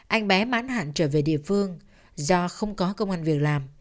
anh bé mãn hạn trở về địa phương do không có công an việc làm